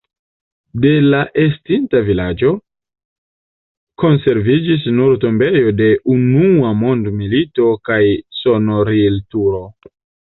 De la estinta vilaĝo konserviĝis nur tombejo de Unua mondmilito kaj sonorilturo.